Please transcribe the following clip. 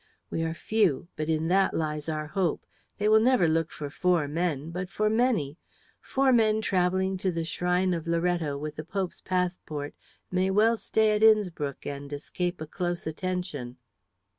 We are few, but in that lies our one hope. They will never look for four men, but for many. Four men travelling to the shrine of Loretto with the Pope's passport may well stay at Innspruck and escape a close attention."